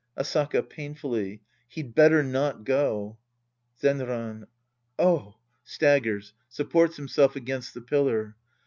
Asaka {painfully). He'd better not go. Zenran. Oh. {Staggers. Supports himself against the pillar.)